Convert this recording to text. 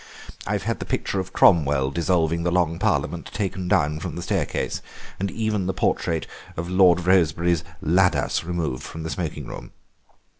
I've had the picture of Cromwell dissolving the Long Parliament taken down from the staircase, and even the portrait of Lord Rosebery's 'Ladas' removed from the smoking room.